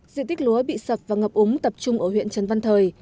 diện tích lúa bị sập và ngập úng tập trung ở huyện trần văn thời